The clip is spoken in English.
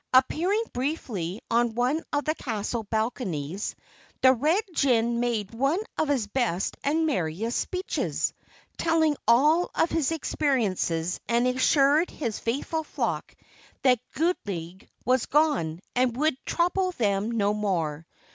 Appearing briefly on one of the castle balconies, the Red Jinn made one of his best and merriest speeches, telling of his experiences and assuring his faithful flock that Gludwig was gone and would trouble them no more.